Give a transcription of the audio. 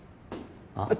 あっ？